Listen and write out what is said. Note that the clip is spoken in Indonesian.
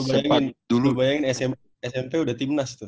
lalu lu bayangin smp udah timnas tuh